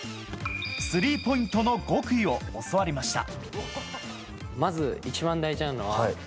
スリーポイントの極意を教わりました。